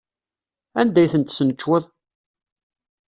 Anda ay ten-tesnecweḍ?